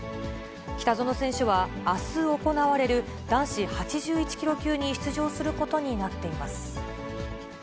北薗選手は、あす行われる男子８１キロ級に出場することになっています。